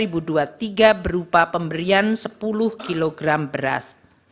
pemberian di bapanas adalah penggunaan sepuluh kg beras